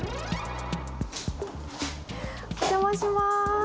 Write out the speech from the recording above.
お邪魔します。